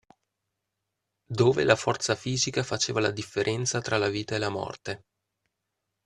Dove la forza fisica faceva la differenza tra la vita e la morte.